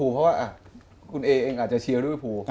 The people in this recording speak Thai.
โอ้โหเพราะว่าคุณเออเองอาจจะเชียร์ด้วยฮู